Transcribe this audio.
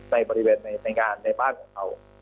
ในบริเวณในบ้างของเขา